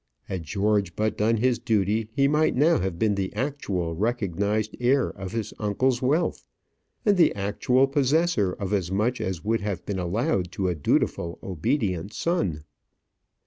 Had George but done his duty, he might now have been the actual recognized heir of his uncle's wealth, and the actual possessor of as much as would have been allowed to a dutiful, obedient son.